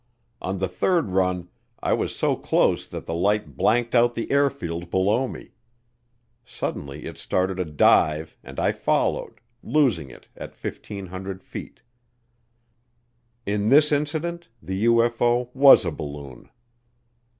On the third run I was so close that the light blanked out the airfield below me. Suddenly it started a dive and I followed, losing it at 1,500 feet. In this incident the UFO was a balloon.